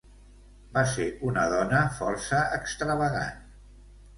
Va ser una dona força extravagant.